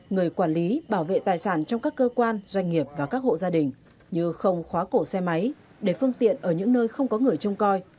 người quản lý bảo vệ tài sản trong các cơ quan doanh nghiệp và các hộ gia đình như không khóa cổ xe máy để phương tiện ở những nơi không có người trông coi